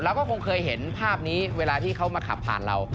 เราก็คงเคยเห็นภาพนี้เวลาที่เขามาขับผ่านเรา